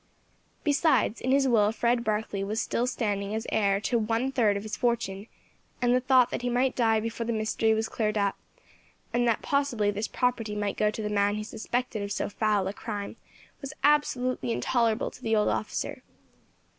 Besides, in his will Fred Barkley was still standing as heir to one third of his fortune, and the thought that he might die before the mystery was cleared up, and that possibly this property might go to the man he suspected of so foul a crime, was absolutely intolerable to the old officer.